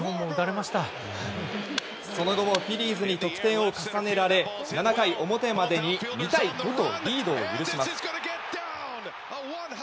その後もフィリーズに得点を重ねられ７回表までに２対５とリードを許します。